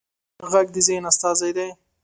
غږ د ذهن استازی دی